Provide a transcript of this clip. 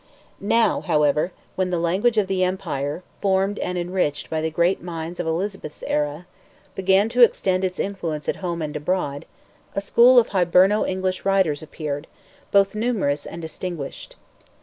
Now, however, when the language of the empire, formed and enriched by the great minds of Elizabeth's era, began to extend its influence at home and abroad, a school of Hiberno English writers appeared, both numerous and distinguished.